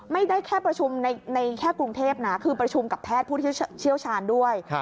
ไม่ได้แค่ประชุมในแค่กรุงเทพนะคือประชุมกับแพทย์ผู้ที่เชี่ยวชาญด้วย